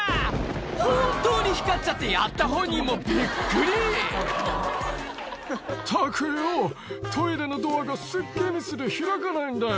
本当に光っちゃってやった本人もびっくり「ったくよトイレのドアが設計ミスで開かないんだよ」